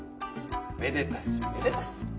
めでたしめでたし。